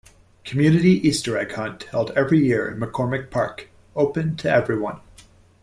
Community Easter Egg Hunt held every year in McCormick Park, open to everyone.